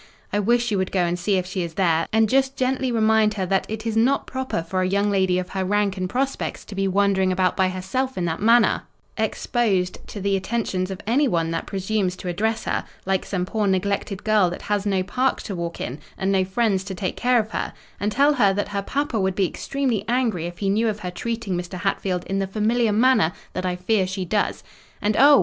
I wish you would go and see if she is there; and just gently remind her that it is not proper for a young lady of her rank and prospects to be wandering about by herself in that manner, exposed to the attentions of anyone that presumes to address her; like some poor neglected girl that has no park to walk in, and no friends to take care of her: and tell her that her papa would be extremely angry if he knew of her treating Mr. Hatfield in the familiar manner that I fear she does; and—oh!